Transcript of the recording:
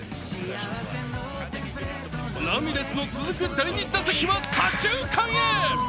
ラミレスの続く第２打席は左中間へ。